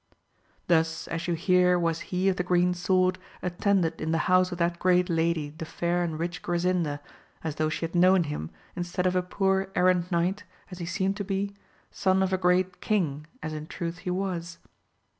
Thus as you hear was he of the green sword attended in the house of that great lady the fair and rich Grasinda, as though she had known him, instead of a poor errant knight, as he seemed to be, son of a great king, as in truth he was.